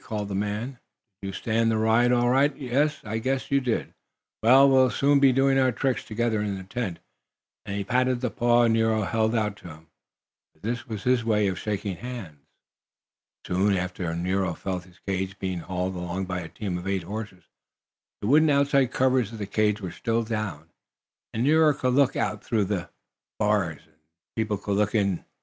called the man. "Did you stand the ride all right? Yes, I guess you did. Well, we'll soon be doing our tricks together in the tent," and he patted the paw Nero held out to him, for this was his way of shaking hands. Soon after this Nero felt his cage being hauled along by a team of eight horses. The wooden outside covers of the cage were still down, and Nero could look out through the bars, and the people could look in.